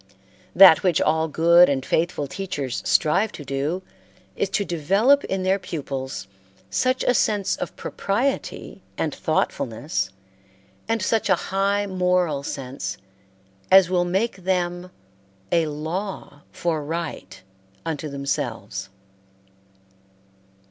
That which all good and faithful teachers strive to do is to develop in their pupils such a sense of propriety and thoughtfulness and such a high moral sense as will make them a law for right unto themselves.